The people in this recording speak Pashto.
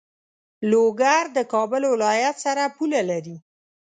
لوګر د کابل ولایت سره پوله لری.